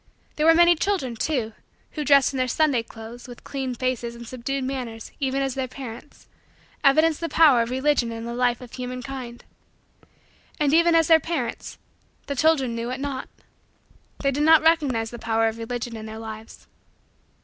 There were many children, too, who, dressed in their Sunday clothes, with clean faces and subdued manners, even as their parents, evidenced the power of Religion in the life of humankind. And, even as their parents, the children knew it not. They did not recognize the power of Religion in their lives.